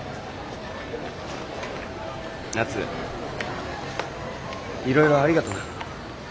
ナツいろいろありがとな。